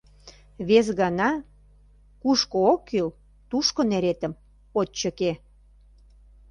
Вес гана кушко ок кӱл, тушко неретым от чыке...